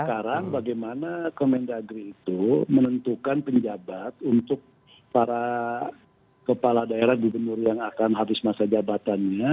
sekarang bagaimana kemendagri itu menentukan penjabat untuk para kepala daerah gubernur yang akan habis masa jabatannya